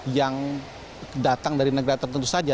yang datang dari negara tertentu saja